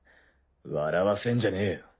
笑わせんじゃねえよ。